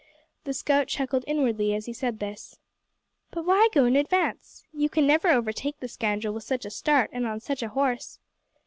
The scout chuckled inwardly as he said this. "But why go in advance? You can never overtake the scoundrel with such a start and on such a horse."